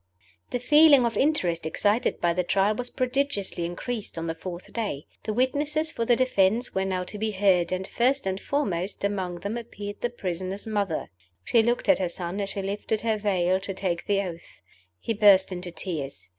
THE feeling of interest excited by the Trial was prodigiously increased on the fourth day. The witnesses for the defense were now to be heard, and first and foremost among them appeared the prisoner's mother. She looked at her son as she lifted her veil to take the oath. He burst into tears.